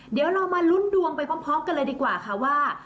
เดี๋ยวเรามาลุ้นดวงไปพร้อมกันเลยดีกว่าค่ะว่า